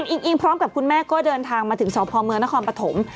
อิงอิงพร้อมกับคุณแม่ก็เดินทางมาถึงสพเมืองนครปฐม